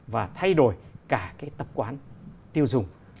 và thay đổi cả tập quán tiêu dùng